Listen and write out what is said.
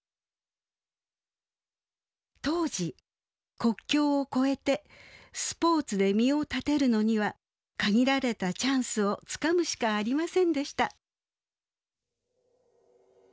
当時国境を越えてスポーツで身を立てるのには限られたチャンスをつかむしかありませんでした。